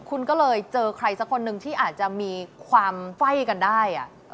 คุณก็เลยเจอใครสักคนหนึ่งที่อาจจะมีความไฟ่กันได้